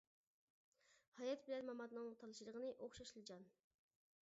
ھايات بىلەن ماماتنىڭ تالىشىدىغىنى ئوخشاشلا جان!